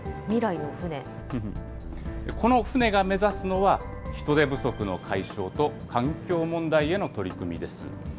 この船が目指すのは、人手不足の解消と、環境問題への取り組みです。